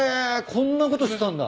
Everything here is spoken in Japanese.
こんなことしてたんだ。